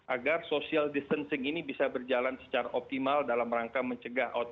agar social distancing ini bisa berjalan secara optimal dalam rangka mencegah